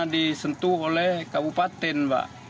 karena disentuh oleh kabupaten pak